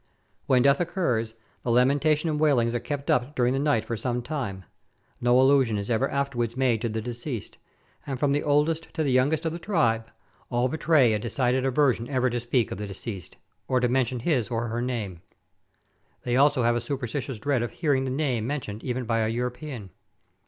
When death occurs, the lamentation and wailings are kept up during the night for some time; no allusion is ever afterwards made to the deceased, and, from the oldest to the youngest of the tribe, all betray a decided aversion ever to speak of the deceased, or to mention his or her name. They have also a superstitious dread of hearing the name mentioned even by a European.